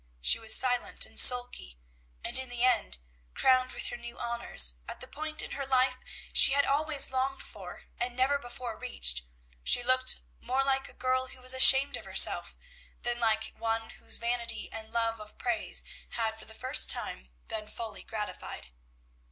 she was silent and sulky; and in the end, crowned with her new honors, at the point in her life she had always longed for, and never before reached, she looked more like a girl who was ashamed of herself, than like one whose vanity and love of praise had for the first time been fully gratified.